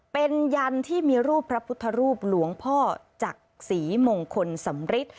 เป็นยันที่มีรูปพระพุทธรูปหลวงพ่อจักษีมงคลสำริท